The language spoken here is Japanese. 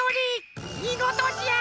みごとじゃ！